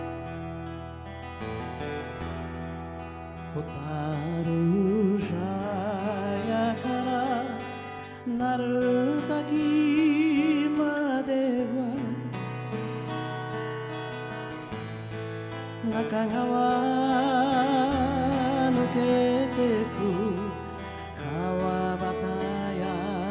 「蛍茶屋から鳴滝までは中川抜けてく川端柳」